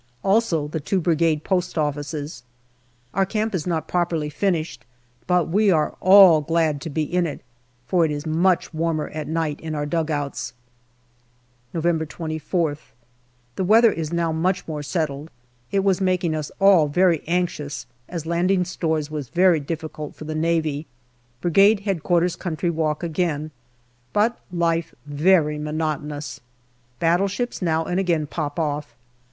Also the two Brigade post offices. Our camp is not properly finished, but we are all glad to be in it, for it is much warmer at night in our dugouts. November 24<th. The weather is now much more settled. It was making us all very anxious, as landing stores was very difficult for the Navy. Brigade H.Q. country walk again. But life very monotonous. Battleships now ancj again pop off.